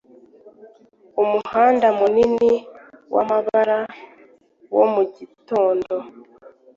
Umuhanda munini wamabara wo mu gitondo